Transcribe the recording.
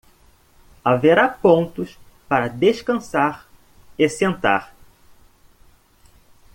Haverá pontos para descansar e sentar